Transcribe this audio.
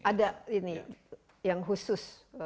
ada ini yang khusus